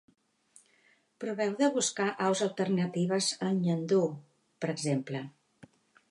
Proveu de buscar aus alternatives al nyandú, per exemple.